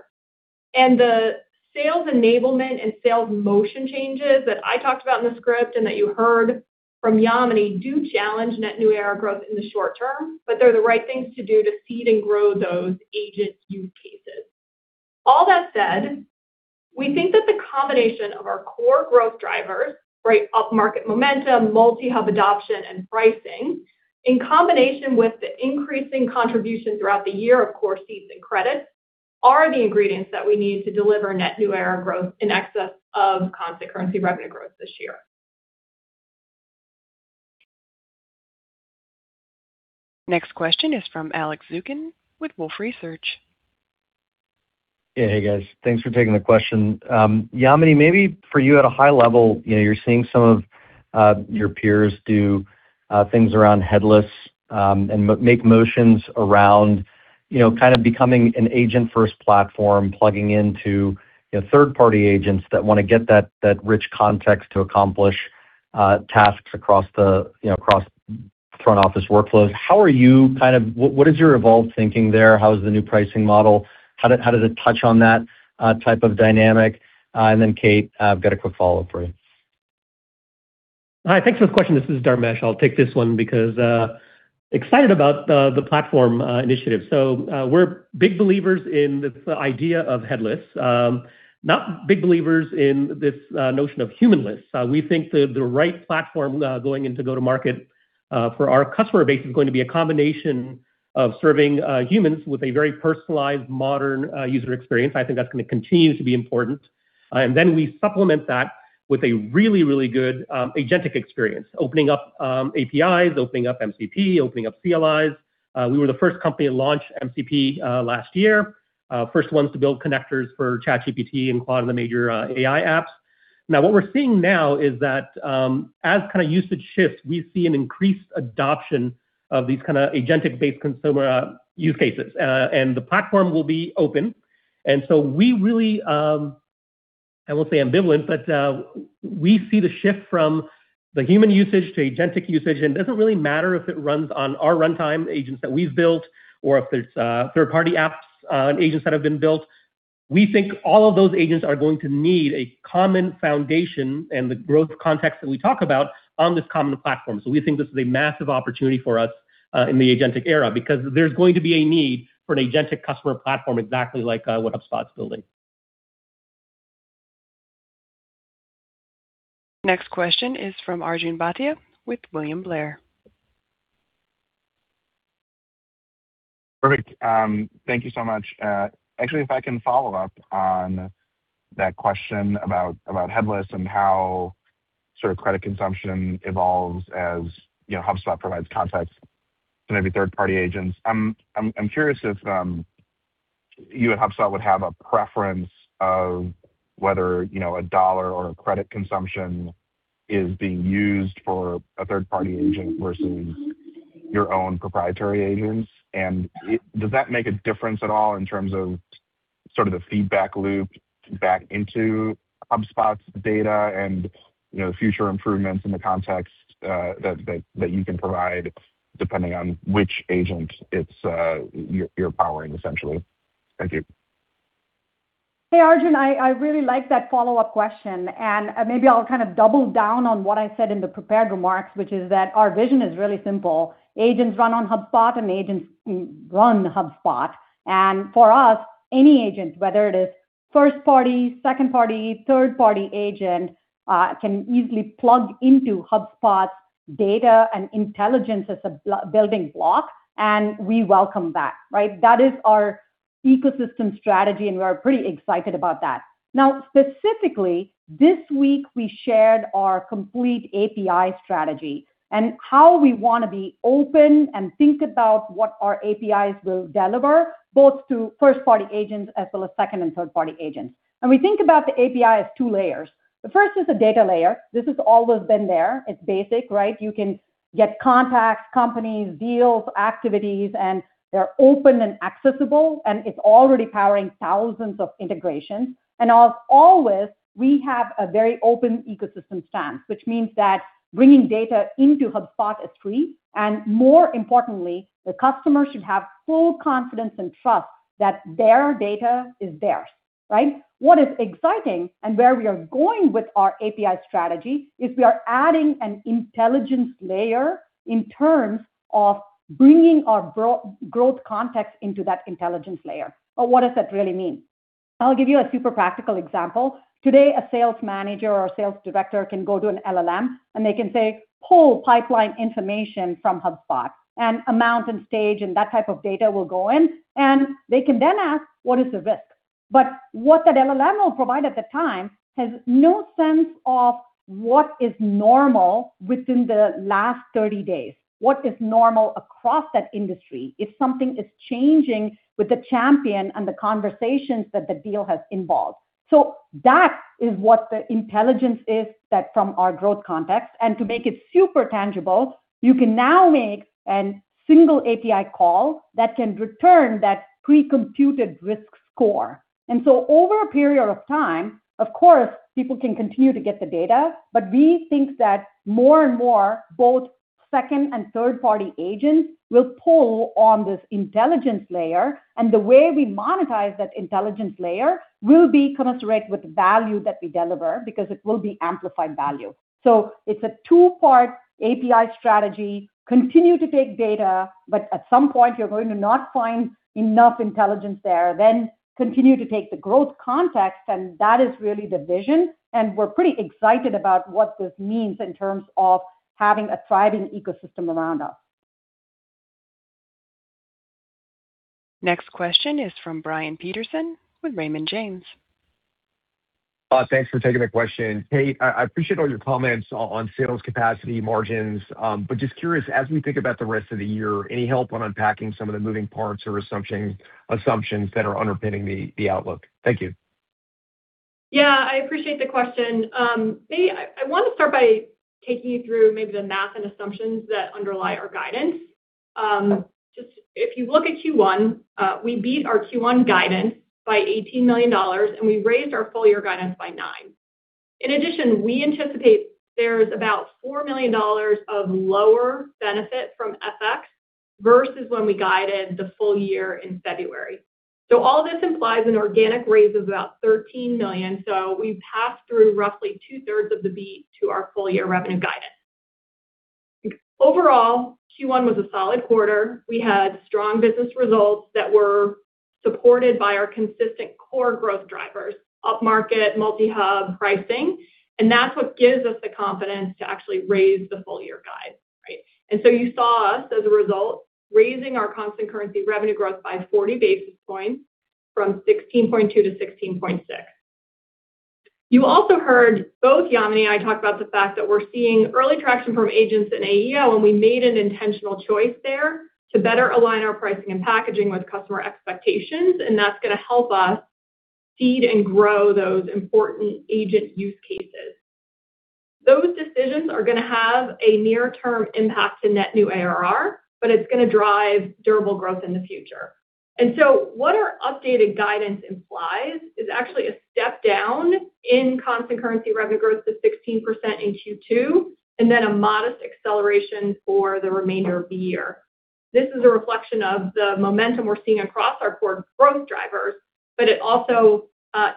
The sales enablement and sales motion changes that I talked about in the script and that you heard from Yamini do challenge net new ARR growth in the short term, but they're the right things to do to seed and grow those agent use cases. All that said, we think that the combination of our core growth drivers, right up market momentum, multi-hub adoption and pricing, in combination with the increasing contribution throughout the year, of course, seats and credits, are the ingredients that we need to deliver net new ARR growth in excess of constant currency revenue growth this year. Next question is from Alex Zukin with Wolfe Research. Yeah. Hey, guys. Thanks for taking the question. Yamini, maybe for you at a high level, you know, you're seeing some of your peers do things around headless, and make motions around, you know, kind of becoming an agent-first platform, plugging into, you know, third-party agents that wanna get that rich context to accomplish tasks across the, you know, across front office workflows. What is your evolved thinking there? How is the new pricing model? How does it touch on that type of dynamic? And then, Kate, I've got a quick follow-up for you. Hi. Thanks for the question. This is Dharmesh. I'll take this one because excited about the platform initiative. We're big believers in the idea of headless. Not big believers in this notion of humanless. We think the right platform going into go-to-market for our customer base is going to be a combination of serving humans with a very personalized, modern user experience. I think that's gonna continue to be important. And then we supplement that with a really, really good agentic experience, opening up APIs, opening up MCP, opening up CLIs. We were the first company to launch MCP last year. First ones to build connectors for ChatGPT and lot of the major AI apps. What we're seeing now is that, as kinda usage shifts, we see an increased adoption of these kinda agentic-based consumer use cases. The platform will be open. We really, I won't say ambivalent, but we see the shift from the human usage to agentic usage, and it doesn't really matter if it runs on our runtime agents that we've built or if it's third-party apps agents that have been built. We think all of those agents are going to need a common foundation and the growth context that we talk about on this common platform. We think this is a massive opportunity for us in the agentic era because there's going to be a need for an agentic customer platform exactly like what HubSpot's building. Next question is from Arjun Bhatia with William Blair. Perfect. Thank you so much. Actually, if I can follow up on that question about headless. Sort of credit consumption evolves as, you know, HubSpot provides context to maybe third-party agents. I'm curious if you at HubSpot would have a preference of whether, you know, a dollar or a credit consumption is being used for a third-party agent versus your own proprietary agents. Does that make a difference at all in terms of sort of the feedback loop back into HubSpot's data and, you know, future improvements in the context that you can provide depending on which agent it's you're powering essentially? Thank you. Hey, Arjun. I really like that follow-up question. Maybe I'll kind of double down on what I said in the prepared remarks, which is that our vision is really simple. Agents run on HubSpot and agents run HubSpot. For us, any agent, whether it is first party, second party, third-party agent, can easily plug into HubSpot's data and intelligence as a building block, and we welcome that, right? That is our ecosystem strategy, and we're pretty excited about that. Specifically, this week we shared our complete API strategy and how we wanna be open and think about what our APIs will deliver, both to first-party agents as well as second and third-party agents. We think about the API as two layers. The first is the data layer. This has always been there. It's basic, right? You can get contacts, companies, deals, activities, and they're open and accessible, and it's already powering thousands of integrations. As always, we have a very open ecosystem stance, which means that bringing data into HubSpot is free. More importantly, the customer should have full confidence and trust that their data is theirs, right? What is exciting and where we are going with our API strategy is we are adding an intelligence layer in terms of bringing our growth context into that intelligence layer. What does that really mean? I'll give you a super practical example. Today, a sales manager or sales director can go to an LLM, and they can say, "Pull pipeline information from HubSpot," amount and stage and that type of data will go in. They can then ask, "What is the risk?" What that LLM will provide at the time has no sense of what is normal within the last 30 days, what is normal across that industry, if something is changing with the champion and the conversations that the deal has involved. That is what the intelligence is that from our growth context. To make it super tangible, you can now make a single API call that can return that precomputed risk score. Over a period of time, of course, people can continue to get the data, but we think that more and more both second and third-party agents will pull on this intelligence layer, and the way we monetize that intelligence layer will be commensurate with the value that we deliver because it will be amplified value. It's a two-part API strategy. Continue to take data, but at some point, you're going to not find enough intelligence there. Continue to take the growth context, and that is really the vision, and we're pretty excited about what this means in terms of having a thriving ecosystem around us. Next question is from Brian Peterson with Raymond James. Thanks for taking the question. Kate, I appreciate all your comments on sales capacity margins. Just curious, as we think about the rest of the year, any help on unpacking some of the moving parts or assumptions that are underpinning the outlook? Thank you. I appreciate the question. I want to start by taking you through the math and assumptions that underlie our guidance. If you look at Q1, we beat our Q1 guidance by $18 million, and we raised our full-year guidance by $9 million. In addition, we anticipate there's about $4 million of lower benefit from FX versus when we guided the full-year in February. All this implies an organic raise of about $13 million, so we've passed through roughly two-thirds of the beat to our full year revenue guidance. Overall, Q1 was a solid quarter. We had strong business results that were supported by our consistent core growth drivers, upmarket, multi-hub pricing, and that's what gives us the confidence to actually raise the full-year guide, right? You saw us, as a result, raising our constant currency revenue growth by 40 basis points from 16.2 to 16.6. You also heard both Yamini and I talk about the fact that we're seeing early traction from agents in AEO, and we made an intentional choice there to better align our pricing and packaging with customer expectations, and that's gonna help us seed and grow those important agent use cases. Those decisions are gonna have a near-term impact to net new ARR, but it's gonna drive durable growth in the future. What our updated guidance implies is actually a step down in constant currency revenue growth to 16% in Q2, and then a modest acceleration for the remainder of the year. This is a reflection of the momentum we're seeing across our core growth drivers, but it also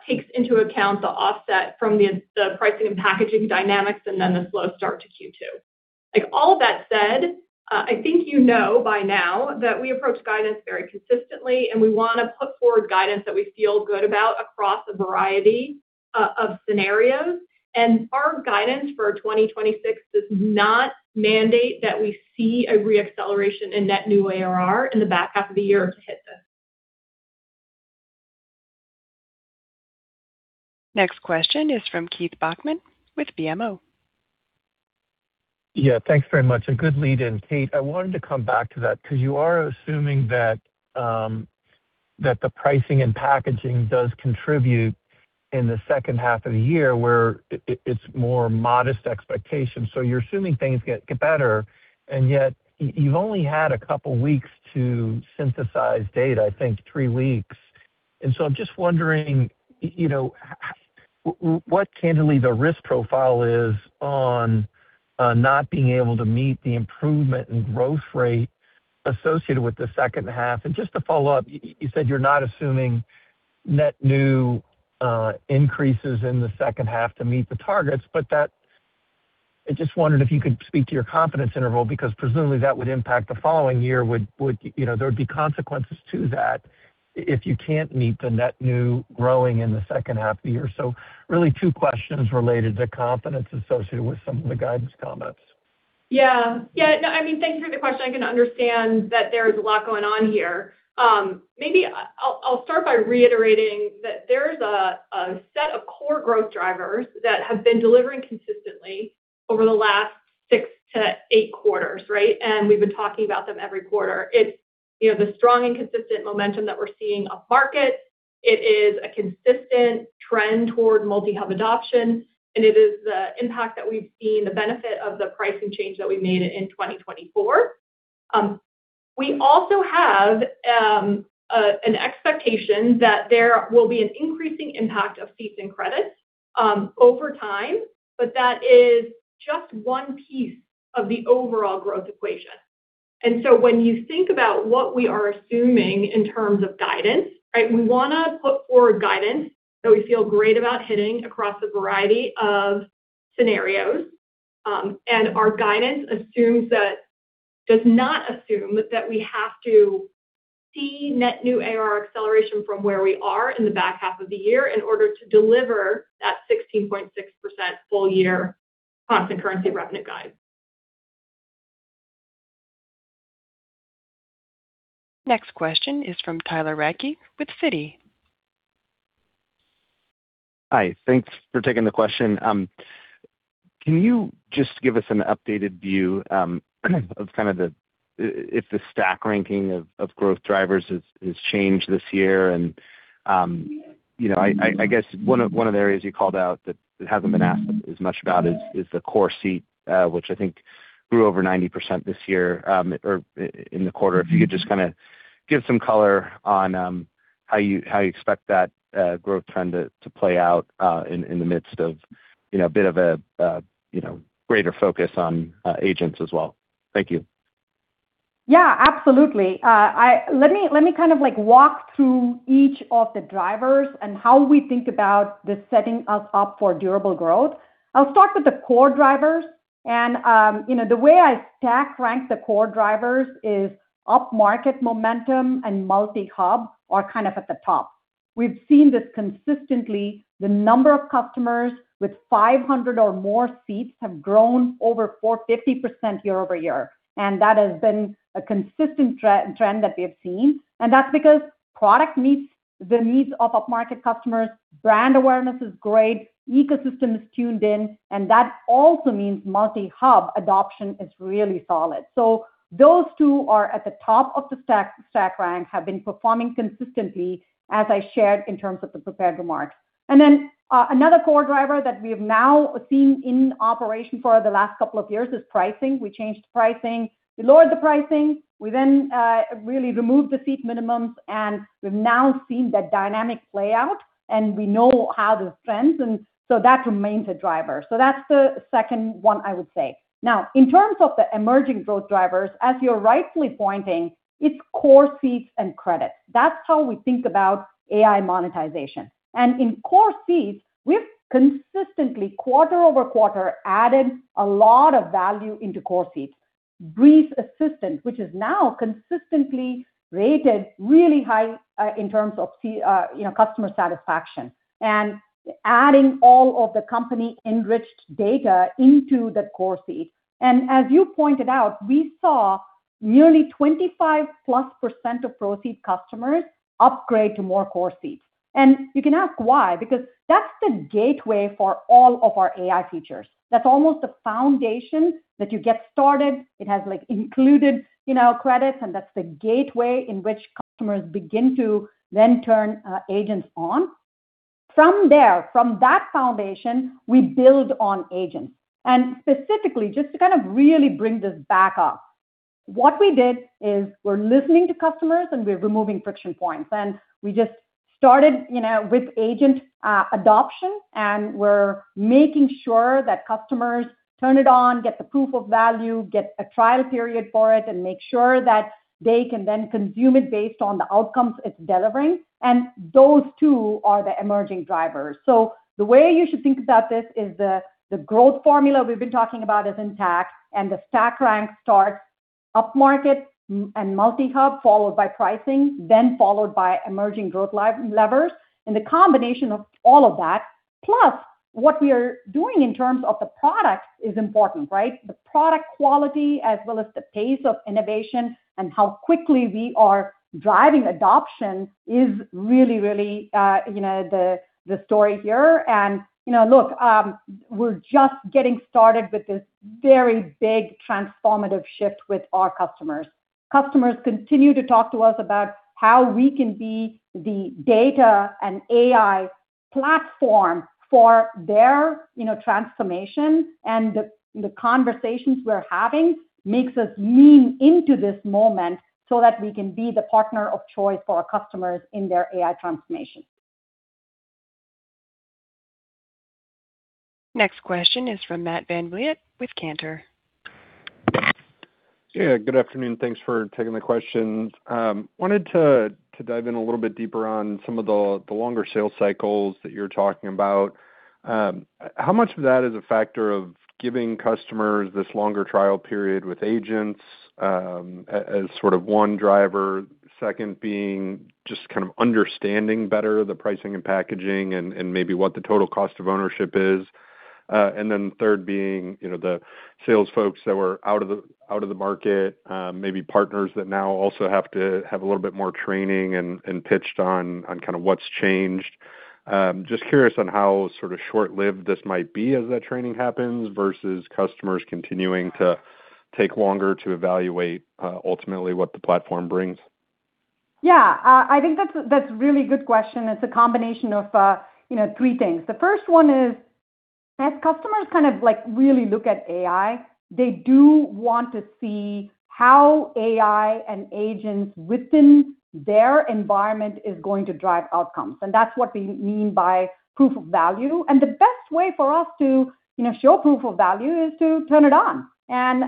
takes into account the offset from the pricing and packaging dynamics and then the slow start to Q2. Like, all that said, I think you know by now that we approach guidance very consistently, and we wanna put forward guidance that we feel good about across a variety of scenarios. Our guidance for 2026 does not mandate that we see a re-acceleration in net new ARR in the back half of the year to hit this. Next question is from Keith Bachman with BMO. Yeah, thanks very much. A good lead in, Kate. I wanted to come back to that because you are assuming that the pricing and packaging does contribute in the second half of the year where it's more modest expectations. You're assuming things get better, and yet you've only had a couple weeks to synthesize data, I think three weeks. I'm just wondering, you know, what candidly the risk profile is on not being able to meet the improvement in growth rate associated with the second half. Just to follow up, you said you're not assuming net new increases in the second half to meet the targets, that I just wondered if you could speak to your confidence interval, because presumably that would impact the following year. Would, you know, there would be consequences to that if you can't meet the net new growing in the second half of the year. Really two questions related to confidence associated with some of the guidance comments. Yeah. Yeah. No, I mean, thank you for the question. I can understand that there is a lot going on here. Maybe I'll start by reiterating that there is a set of core growth drivers that have been delivering consistently over the last six to eight quarters, right? We've been talking about them every quarter. It's, you know, the strong and consistent momentum that we're seeing up market. It is a consistent trend toward multi-hub adoption. It is the impact that we've seen, the benefit of the pricing change that we made in 2024. We also have an expectation that there will be an increasing impact of seats and credits over time. That is just one piece of the overall growth equation. When you think about what we are assuming in terms of guidance, right? We wanna put forward guidance that we feel great about hitting across a variety of scenarios. Our guidance does not assume that we have to see net new ARR acceleration from where we are in the back half of the year in order to deliver that 16.6% full year constant currency revenue guide. Next question is from Tyler Radke with Citi. Hi. Thanks for taking the question. Can you just give us an updated view of kind of the if the stack ranking of growth drivers has changed this year? You know, I guess one of the areas you called out that hasn't been asked as much about is the core seat, which I think grew over 90% this year or in the quarter. If you could just kinda give some color on how you expect that growth trend to play out in the midst of, you know, a bit of a, you know, greater focus on agents as well. Thank you. Yeah, absolutely. Let me kind of like walk through each of the drivers and how we think about the setting us up for durable growth. I'll start with the core drivers, and you know, the way I stack rank the core drivers is upmarket momentum and multi-hub are kind of at the top. We've seen this consistently. The number of customers with 500 or more seats have grown over 450% year-over-year. That has been a consistent trend that we have seen. That's because product meets the needs of upmarket customers, brand awareness is great, ecosystem is tuned in, and that also means multi-hub adoption is really solid. Those two are at the top of the stack rank, have been performing consistently as I shared in terms of the prepared remarks. Another core driver that we have now seen in operation for the last couple of years is pricing. We changed pricing. We lowered the pricing. We really removed the seat minimums, and we've now seen that dynamic play out, and we know how this trends, that remains a driver. That's the second one I would say. In terms of the emerging growth drivers, as you're rightfully pointing, it's core seats and credits. That's how we think about AI monetization. In core seats, we've consistently quarter over quarter added a lot of value into core seats. Breeze Assistant, which is now consistently rated really high, in terms of you know, customer satisfaction. Adding all of the company enriched data into the core seat. As you pointed out, we saw nearly 25+% of Pro Plus customers upgrade to more core seats. You can ask why, because that's the gateway for all of our AI features. That's almost the foundation that you get started. It has, like, included, you know, credits, and that's the gateway in which customers begin to then turn agents on. From there, from that foundation, we build on agents. Specifically, just to kind of really bring this back up, what we did is we're listening to customers, and we're removing friction points. We just started, you know, with agent adoption, and we're making sure that customers turn it on, get the proof of value, get a trial period for it, and make sure that they can then consume it based on the outcomes it's delivering. Those two are the emerging drivers. The way you should think about this is the growth formula we've been talking about is intact, and the stack rank starts upmarket and multi-hub, followed by pricing, then followed by emerging growth levels. The combination of all of that plus, what we are doing in terms of the product is important, right. The product quality as well as the pace of innovation and how quickly we are driving adoption is really, you know, the story here. You know, look, we're just getting started with this very big transformative shift with our customers. Customers continue to talk to us about how we can be the data and AI platform for their, you know, transformation. The conversations we're having makes us lean into this moment so that we can be the partner of choice for our customers in their AI transformation. Next question is from Matt VanVliet with Cantor. Yeah, good afternoon. Thanks for taking the questions. wanted to dive in a little bit deeper on some of the longer sales cycles that you're talking about. How much of that is a factor of giving customers this longer trial period with agents as sort of one driver? Second being just kind of understanding better the pricing and packaging and maybe what the total cost of ownership is. Third being, you know, the sales folks that were out of the market, maybe partners that now also have to have a little bit more training and pitched on kind of what's changed. Just curious on how sort of short-lived this might be as that training happens versus customers continuing to take longer to evaluate ultimately what the platform brings. Yeah. I think that's a really good question. It's a combination of, you know, three things. The first one is as customers kind of like really look at AI, they do want to see how AI and agents within their environment is going to drive outcomes, and that's what we mean by proof of value. The best way for us to, you know, show proof of value is to turn it on and,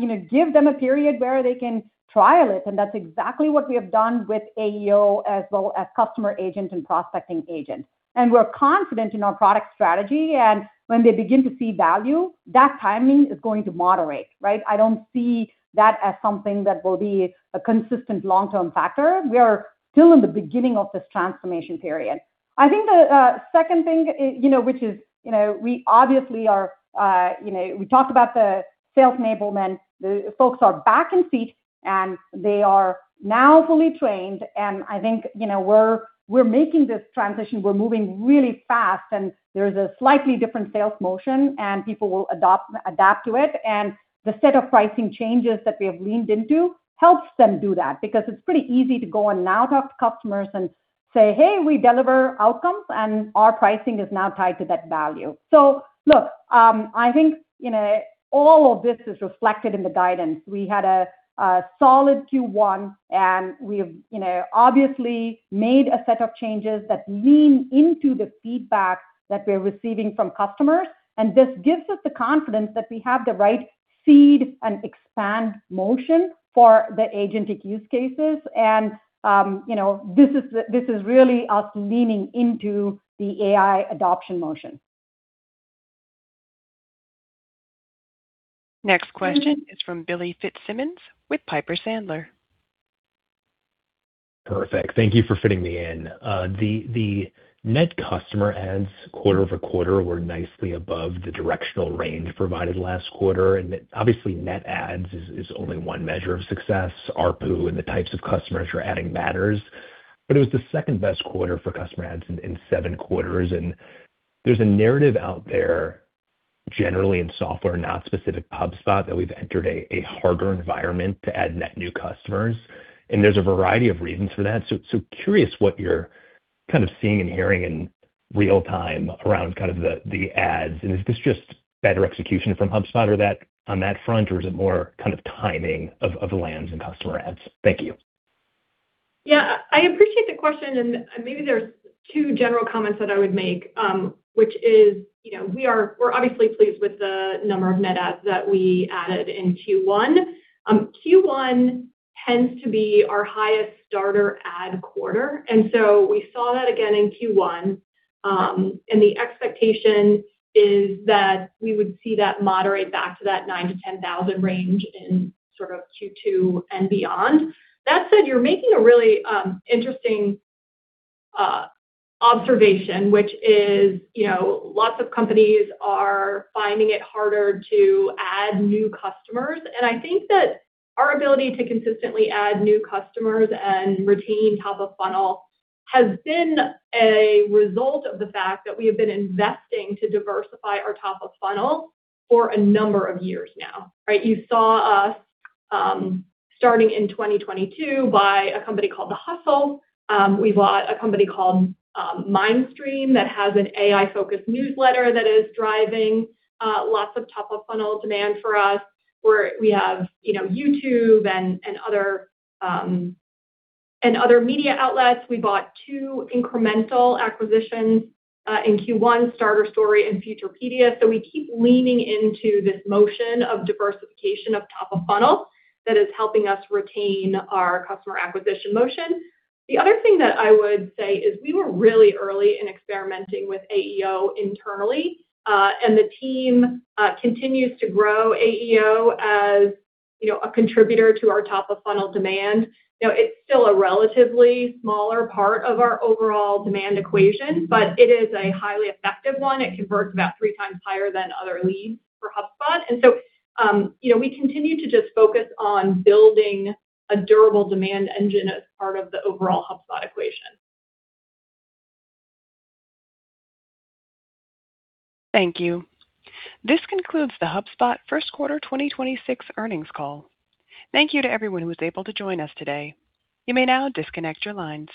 you know, give them a period where they can trial it, and that's exactly what we have done with AEO as well as Customer Agent and Prospecting Agent. We're confident in our product strategy, and when they begin to see value, that timing is going to moderate, right? I don't see that as something that will be a consistent long-term factor. We are still in the beginning of this transformation period. I think the second thing, you know, which is, you know, we obviously are, you know, we talked about the sales enablement. The folks are back in seat, and they are now fully trained, and I think, you know, we're making this transition. We're moving really fast, and there's a slightly different sales motion, and people will adapt to it. The set of pricing changes that we have leaned into helps them do that because it's pretty easy to go and now talk to customers and say, "Hey, we deliver outcomes, and our pricing is now tied to that value." Look, I think, you know, all of this is reflected in the guidance. We had a solid Q1, and we've, you know, obviously made a set of changes that lean into the feedback that we're receiving from customers, and this gives us the confidence that we have the right seed and expand motion for the agentic use cases and, you know, this is really us leaning into the AI adoption motion. Next question is from Billy Fitzsimmons with Piper Sandler. Perfect. Thank you for fitting me in. The net customer adds quarter-over-quarter were nicely above the directional range provided last quarter. Obviously net adds is only one measure of success. ARPU and the types of customers you're adding matters. It was the second-best quarter for customer adds in seven quarters. There's a narrative out there generally in software, not specific to HubSpot, that we've entered a harder environment to add net new customers. There's a variety of reasons for that. Curious what you're kind of seeing and hearing in real time around kind of the adds, and is this just better execution from HubSpot on that front, or is it more kind of timing of lands and customer adds? Thank you. Yeah. I appreciate the question, maybe there's two general comments that I would make, which is, you know, we're obviously pleased with the number of net adds that we added in Q1. Q1 tends to be our highest starter add quarter, we saw that again in Q1. The expectation is that we would see that moderate back to that 9,000-10,000 range in sort of Q2 and beyond. That said, you're making a really interesting observation, which is, you know, lots of companies are finding it harder to add new customers. I think that our ability to consistently add new customers and retain top of funnel has been a result of the fact that we have been investing to diversify our top of funnel for a number of years now, right? You saw us, starting in 2022 buy a company called The Hustle. We bought a company called Mindstream that has an AI-focused newsletter that is driving lots of top-of-funnel demand for us, where we have, you know, YouTube and other media outlets. We bought two incremental acquisitions in Q1, Starter Story and Futurepedia. We keep leaning into this motion of diversification of top of funnel that is helping us retain our customer acquisition motion. The other thing that I would say is we were really early in experimenting with AEO internally, and the team continues to grow AEO as, you know, a contributor to our top-of-funnel demand. You know, it's still a relatively smaller part of our overall demand equation, but it is a highly effective one. It converts about three times higher than other leads for HubSpot. You know, we continue to just focus on building a durable demand engine as part of the overall HubSpot equation. Thank you. This concludes the HubSpot first quarter 2026 earnings call. Thank you to everyone who was able to join us today. You may now disconnect your line.